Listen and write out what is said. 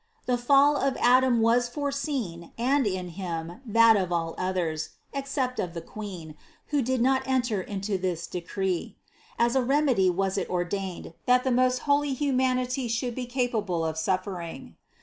The fall of Adam was foreseen and in him that of all others, except of the Queen, who did not enter into this decree. As a remedy was it ordained, that the most holy humanity should be capable of suffering.